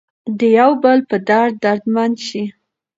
د یو بل په درد دردمن شئ.